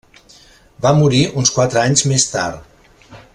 Va morir uns quatre anys més tard.